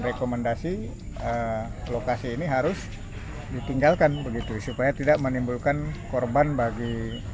rekomendasi lokasi ini harus ditinggalkan begitu supaya tidak menimbulkan korban bagi